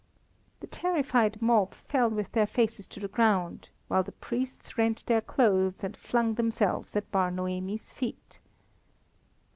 The terrified mob fell with their faces to the ground while the priests rent their clothes and flung themselves at Bar Noemi's feet.